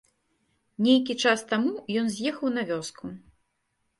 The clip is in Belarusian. Нейкі час таму ён з'ехаў на вёску.